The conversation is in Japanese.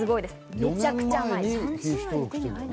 めちゃくちゃ甘い！